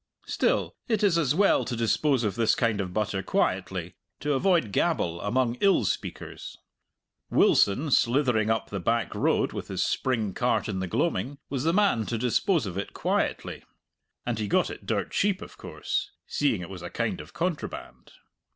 Still, it is as well to dispose of this kind of butter quietly, to avoid gabble among ill speakers. Wilson, slithering up the back road with his spring cart in the gloaming, was the man to dispose of it quietly. And he got it dirt cheap, of course, seeing it was a kind of contraband.